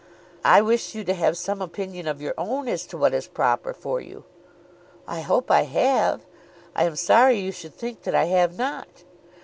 "I wish you to have some opinion of your own as to what is proper for you." "I hope I have. I am sorry you should think that I have not."